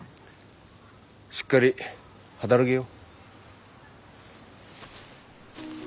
しっかり働げよ。